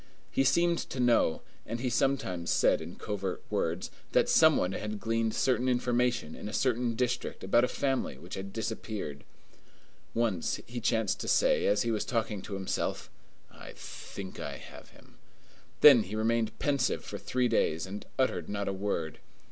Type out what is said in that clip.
He seemed to know, and he sometimes said in covert words, that some one had gleaned certain information in a certain district about a family which had disappeared. Once he chanced to say, as he was talking to himself, "I think I have him!" Then he remained pensive for three days, and uttered not a word.